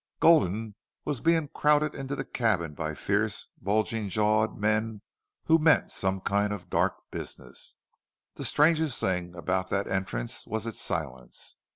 Gulden was being crowded into the cabin by fierce, bulging jawed men who meant some kind of dark business. The strangest thing about that entrance was its silence.